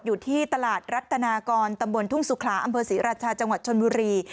อยู่ที่ตลาดรัตนากรตำบลทุ่งสุขลาอำเภอศรีราชาจังหวัดชนบุรี